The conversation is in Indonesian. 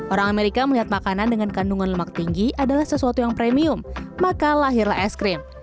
orang amerika melihat makanan dengan kandungan lemak tinggi adalah sesuatu yang premium maka lahirlah es krim